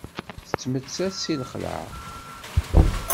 Tettmettat deg lxelɛa.